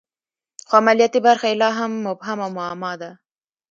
خو عملیاتي برخه یې لا هم مبهم او معما ده